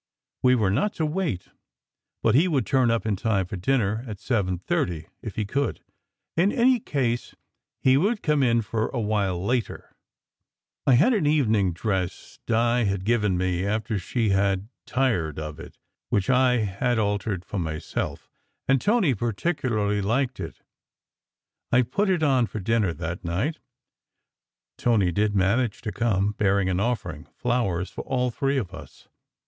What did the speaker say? We were not to wait, but he would turn up in time for dinner at seven thirty if he In any case, he would come in for a while later. SECRET HISTORY 129 I had an evening dress Di had given me after she had tired of it, which I had altered for myself, and Tony partic ularly liked it. I put it on for dinner that night. Tony did manage to come, bearing an offering flowers for all three of us.